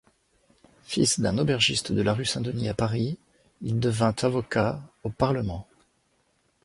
Fils d'un aubergiste de la rue Saint-Denis à Paris, il devint avocat au Parlement.